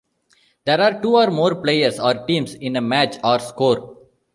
There are two or more players or teams in a match or "score".